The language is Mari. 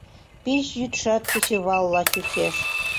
Пич йӱдшат кечывалла чучеш.